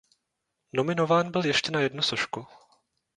Nominován byl ještě na jednu sošku.